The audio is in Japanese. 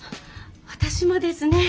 私もですね